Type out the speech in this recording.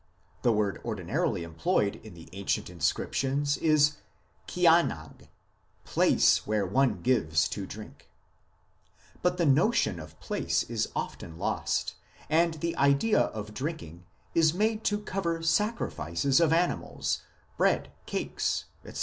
The word ordinarily employed in the ancient inscriptions is kianag place where one gives to drink 8 114 IMMORTALITY AND THE UNSEEN WORLD but the notion of place is often lost, and the idea of drink ing is made to cover sacrifices of animals, bread, cakes, etc.